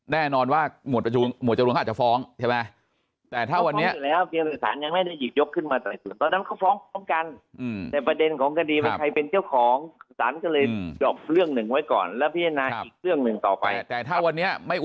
แน่นอนว่าหมวดประชุมหมวดตระจงอาาทก็ฟ้องแต่แรกถ้าวันนี้ไม่ได้ได้อยู่